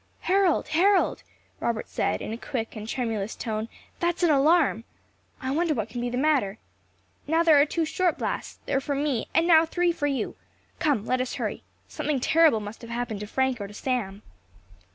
"Harold! Harold!" Robert said in a quick and tremulous tone, "that is an alarm! I wonder what can be the matter. Now there are two short blasts; they are for me; and now three for you. Come, let us hurry. Something terrible must have happened to Frank or to Sam."